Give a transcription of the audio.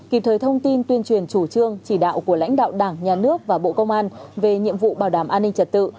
kịp thời thông tin tuyên truyền chủ trương chỉ đạo của lãnh đạo đảng nhà nước và bộ công an về nhiệm vụ bảo đảm an ninh trật tự